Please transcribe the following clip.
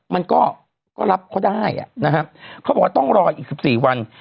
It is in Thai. มันก็รับเขาได้นะครับเขาบอกว่าต้องรออีก๑๔วัน